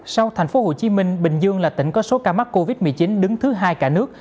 sau thành phố hồ chí minh bình dương là tỉnh có số ca mắc covid một mươi chín đứng thứ hai cả nước